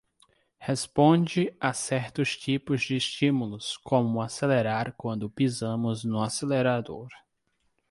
Responde a certos tipos de estímulos, como acelerar quando pisamos no acelerador